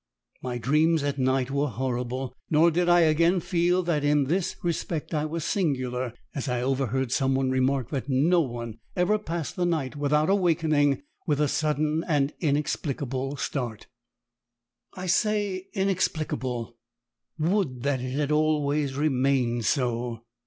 My dreams at night were horrible, nor did I again feel that in this respect I was singular as I overheard some one remark that no one ever passed the night without awakening with a sudden and inexplicable start. I say inexplicable would that it had always remained so!